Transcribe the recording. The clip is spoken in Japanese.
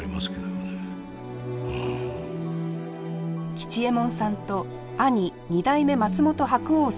吉右衛門さんと兄二代目松本白鸚さんは２歳違い。